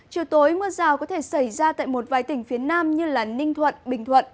chiều tối mưa rào có thể xảy ra tại một vài tỉnh phía nam như ninh thuận bình thuận